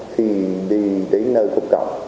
khi đi đến nơi cục cọng